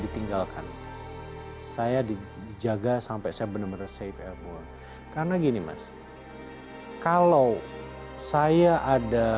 ditinggalkan saya dijaga sampai saya benar benar save airborne karena gini mas kalau saya ada